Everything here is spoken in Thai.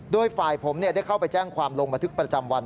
โดยฝ่ายผมได้เข้าไปแจ้งความลงบันทึกประจำวัน